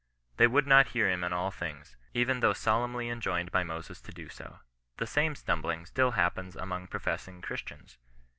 They would not hear him in all things, even though solemnly en joined by Moses to do so. The same stumbling still xiappens among professing Christians.